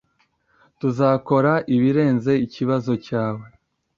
Tuzakora ibirenze ikibazo cyawe.